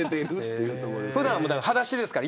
普段は、はだしですから。